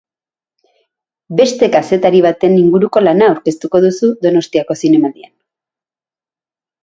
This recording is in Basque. Beste kazetari baten inguruko lana aurkeztuko duzu Donostiako Zinemaldian.